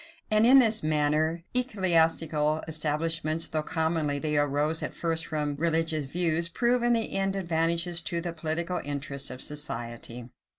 And in this manner ecclesiastical establishments, though commonly they arose at first from religious views, prove in the end advantageous to the political interests of society.